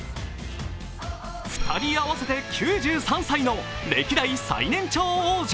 ２人合わせて９３歳の歴代最年長王者。